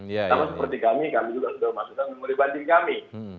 sama seperti kami kami juga sudah masukkan oleh banding kami